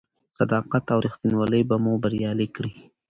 صداقت او رښتینولي به مو بریالي کړي.